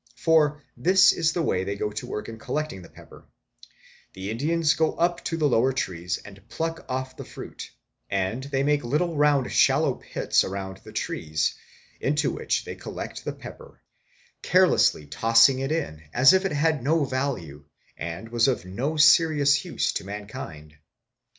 For this is the way they go to work in collecting the pepper ; the Indians go up to the lower trees and pluck off the fruit, and they make little round shallow pits around the trees, into which they collect the pepper, carelessly tossing it in, as if it had no value and was of no serious use to mankind.